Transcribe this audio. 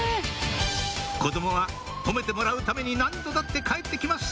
子供は褒めてもらうために何度だって帰って来ます